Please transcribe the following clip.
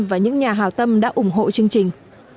và những nhà hào tâm đã ủng hộ chương trình